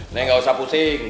nek enggak usah pusing